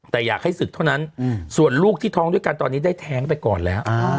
แต่อยากให้ศึกเท่านั้นส่วนลูกที่ท้องด้วยกันตอนนี้ได้แท้งไปก่อนแล้ว